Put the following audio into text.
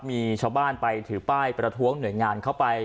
มีชาวบ้านไปถือป้ายประท้วงหน่วยงานเข้าไป